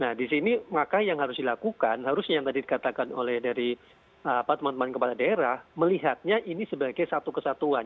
nah di sini maka yang harus dilakukan harusnya yang tadi dikatakan oleh dari teman teman kepala daerah melihatnya ini sebagai satu kesatuan